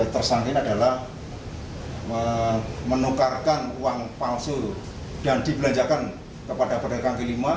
tersangkir adalah menukarkan uang palsu dan dibelanjakan kepada pendekang kelima